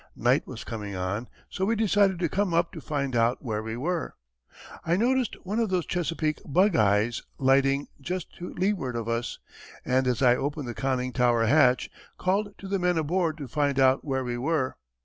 Night was coming on, so we decided to come up to find out where we were. I noticed one of those Chesapeake "Bug Eyes" lighting just to leeward of us, and, as I opened the conning tower hatch, called to the men aboard to find out where we were.